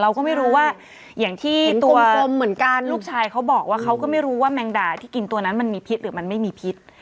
เราก็ไม่รู้ว่าอย่างที่ตัวกลมเหมือนกันลูกชายเขาบอกว่าเขาก็ไม่รู้ว่าแมงดาที่กินตัวนั้นมันมีพิษหรือมันไม่มีพิษ